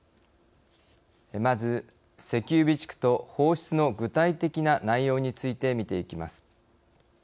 まず石油備蓄と放出の具体的な内容について見ていきます。